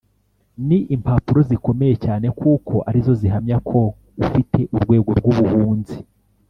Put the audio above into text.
Ni impapuro zikomeye cyane kuko ari zo zihamya ko ufite urwego rw ubuhunzi